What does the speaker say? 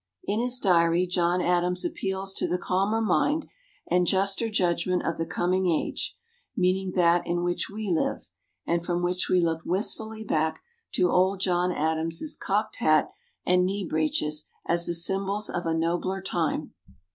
In his diary John Adams appeals to the calmer mind and juster judgment of the coming age meaning that in which we live, and from which we look wistfully back to old John Adams's cocked hat and knee breeches as the symbols of a nobler time.